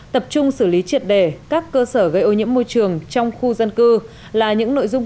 tập trung xử lý triệt đề các cơ sở gây ô nhiễm môi trường trong khu dân cư là những nội dung